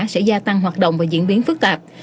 sẽ gia tăng hoạt động và diễn biến phức tạp